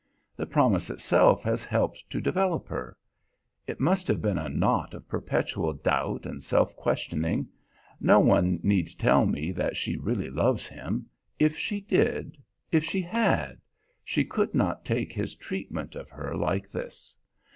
The promise itself has helped to develop her. It must have been a knot of perpetual doubt and self questioning. No one need tell me that she really loves him; if she did, if she had, she could not take his treatment of her like this.